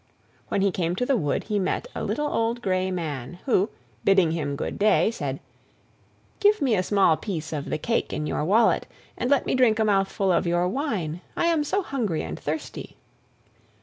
When he came to the wood he met a little old grey man, who, bidding him good day, said: "Give me a small piece of the cake in your wallet, and let me drink a mouthful of your wine; I am so hungry and thirsty."